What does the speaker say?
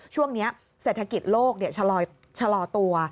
ช่วงนี้เศรษฐกิจโลกชะลอตัว